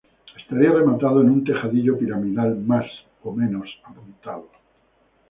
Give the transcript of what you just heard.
Estaría rematado en un tejadillo piramidal más o menos apuntado.